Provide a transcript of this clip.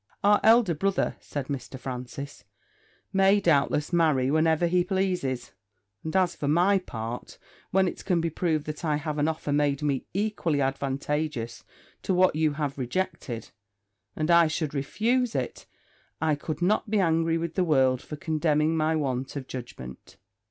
'Our elder brother,' said Mr. Francis, 'may, doubtless, marry whenever he pleases; and, as for my part, when it can be proved that I have an offer made me equally advantageous to what you have rejected, and I should refuse it, I could not be angry with the world for condemning my want of judgment.'